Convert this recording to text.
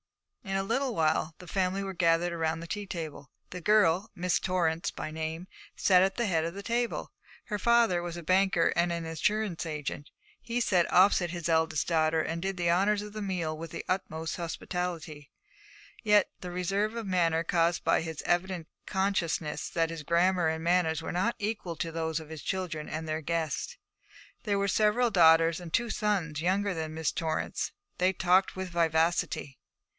In a little while the family were gathered round the tea table. The girl, Miss Torrance by name, sat at the head of the table. Her father was a banker and insurance agent. He sat opposite his eldest daughter and did the honours of the meal with the utmost hospitality, yet with reserve of manner caused by his evident consciousness that his grammar and manners were not equal to those of his children and their guest. There were several daughters and two sons younger than Miss Torrance. They talked with vivacity.